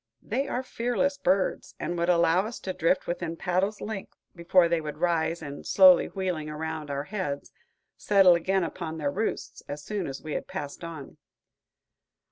They are fearless birds, and would allow us to drift within paddle's length before they would rise and, slowly wheeling around our heads, settle again upon their roosts, as soon as we had passed on.